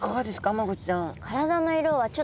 マゴチちゃん。